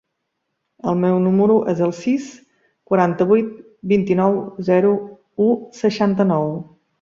El meu número es el sis, quaranta-vuit, vint-i-nou, zero, u, seixanta-nou.